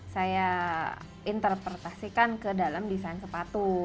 saya interpretasikan ke dalam desain sepatu